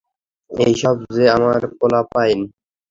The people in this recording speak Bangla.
এই সব যে আমার পোলাপাইন।